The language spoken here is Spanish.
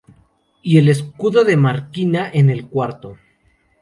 Y el escudo de Marquina en el cuarto.